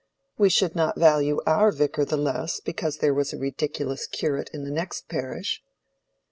"We should not value our Vicar the less because there was a ridiculous curate in the next parish."